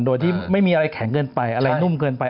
โดยที่ไม่มีอะไรแข็งเคลื่อนไป